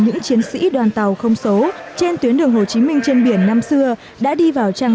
những chiến sĩ đoàn tàu không số trên tuyến đường hồ chí minh trên biển năm xưa đã đi vào trang